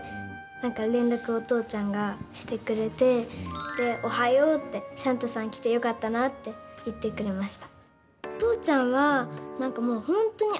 連絡を、お父ちゃんがしてくれておはようってサンタさん来てよかったなって言ってくれました。